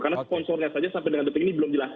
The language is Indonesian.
karena sponsornya saja sampai dengan detik ini belum jelas